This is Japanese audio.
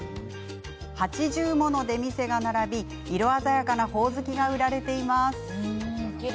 ８０もの出店が並び、色鮮やかなほおずきが売られています。